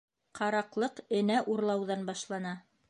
Ҡараҡлыҡ энә урлауҙан башлана.